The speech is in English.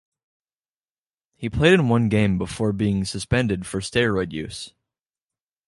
He played in one game before being suspended for steroid use.